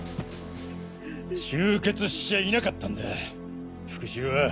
終結しちゃいなかったんだ復讐は。